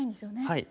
はい。